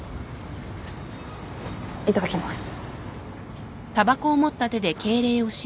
いただきます。